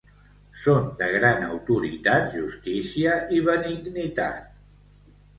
Són de gran autoritat justícia i benignitat.